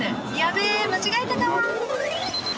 べ間違えたかも。